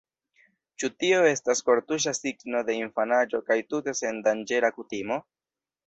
Ĉu tio estas kortuŝa signo de infanaĝo kaj tute sendanĝera kutimo?